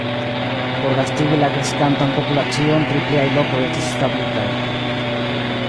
Por gastigi la kreskantan populacion tri pliaj lokoj estis establitaj.